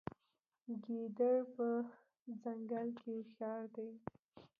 ګیدړ په ځنګل کې هوښیار دی.